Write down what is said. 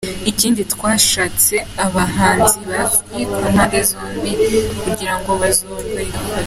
Ikindi twashatse abahanzi bazwi ku mpande zombi kugirango bizorohe gufatisha.